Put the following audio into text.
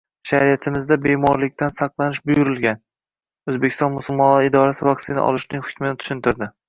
“Shariatimizda bemorlikdan saqlanish buyurilgan”. O‘zbekiston musulmonlari idorasi vaksina olishning hukmini tushuntirdi